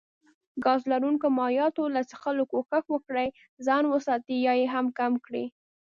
ګاز لرونکو مايعاتو له څښلو کوښښ وکړي ځان وساتي يا يي هم کم کړي